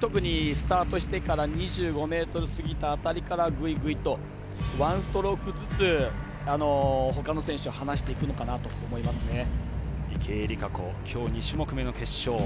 特にスタートしてから２５ｍ過ぎた辺りからぐいぐいとワンストロークずつほかの選手を離していくのかなと池江璃花子きょう２種目めの決勝。